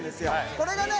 これがね